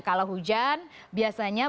kalau hujan biasanya